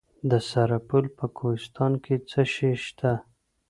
د سرپل په کوهستان کې څه شی شته؟